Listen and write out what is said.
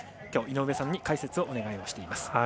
今日、井上さんに解説をお願いしています。